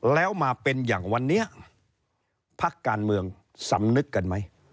แล้วมาเป็นอย่างวันนี้พักการเมืองสำนึกกันไหม